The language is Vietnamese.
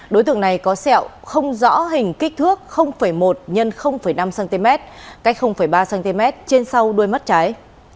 đối tượng này có sẹo không rõ hình kích thước một x năm cm cách ba cm trên sau đuôi mắt trái